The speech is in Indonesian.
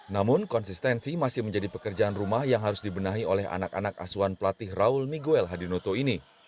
namun konsistensi masih menjadi pekerjaan rumah yang harus dibenahi oleh anak anak asuhan pelatih raul miguel hadinoto ini